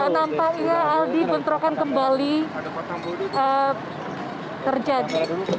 tampaknya aldi menterokan kembali terjadi